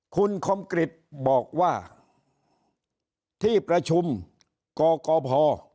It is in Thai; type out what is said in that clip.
คุณคมกริจบอกว่าที่ประชุมกกพ